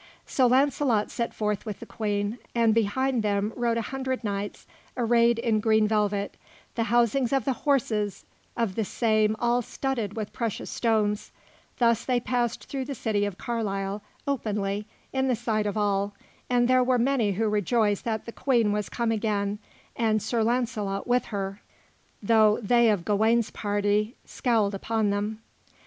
So Launcelot set forth with the Queen, and behind them rode a hundred knights arrayed in green velvet, the housings of the horses of the same all studded with precious stones; thus they passed through the city of Carlisle, openly, in the sight of all, and there were many who rejoiced that the Queen was come again and Sir Launcelot with her, though they of Gawain's party scowled upon him.